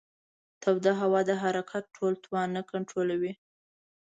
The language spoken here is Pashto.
توده هوا د حرکت ټول توان نه کنټرولوي.